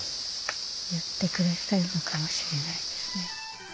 言ってくれてるのかもしれないですね。